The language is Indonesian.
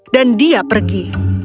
dan dia pergi